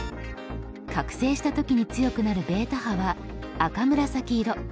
覚醒した時に強くなるβ波は赤紫色。